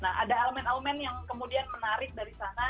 nah ada elemen elemen yang kemudian menarik dari sana